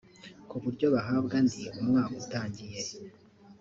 ku buryo bahabwa andi umwaka utangiye